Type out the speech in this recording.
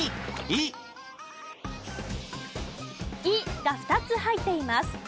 「イ」が２つ入っています。